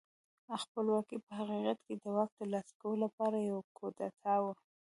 خپلواکي په حقیقت کې د واک ترلاسه کولو لپاره یوه کودتا وه.